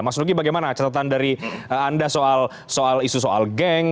mas nugi bagaimana catatan dari anda soal isu soal geng